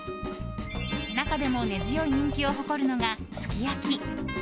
中でも根強い人気を誇るのがすき焼き。